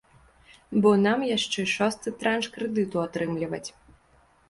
Бо нам яшчэ шосты транш крэдыту атрымліваць.